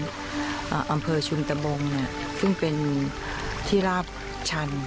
อำเภอชุมตะบงเนี่ยซึ่งเป็นที่ราบชัน